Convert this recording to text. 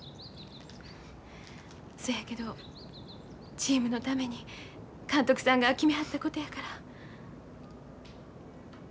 そやけどチームのために監督さんが決めはったことやから。